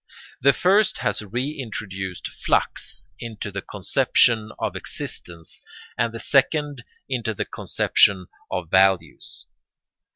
The first has reintroduced flux into the conception of existence and the second into the conception of values.